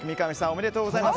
おめでとうございます。